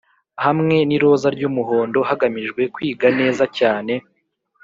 hamwe n'iroza ry'umuhondo hagamijwe kwiga neza cyane